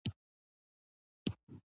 زه چې ومرم ته به ژاړې